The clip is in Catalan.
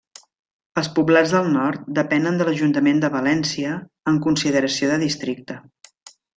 Els Poblats del Nord depenen de l'ajuntament de València en consideració de districte.